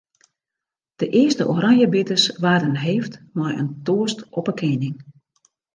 De earste oranjebitters waarden heefd mei in toast op 'e kening.